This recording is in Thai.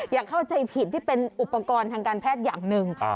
อย่าเข้าใจผิดที่เป็นอุปกรณ์ทางการแพทย์อย่างหนึ่ง